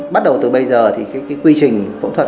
bắt đầu từ bây giờ thì cái quy trình phẫu thuật